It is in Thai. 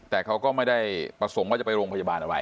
แต่เขาก็ไม่ได้ประสงค์ว่าจะไปโรงพยาบาลอะไร